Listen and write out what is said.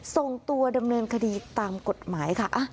ส่งตัวดำเนินคดีตามกฎหมายค่ะ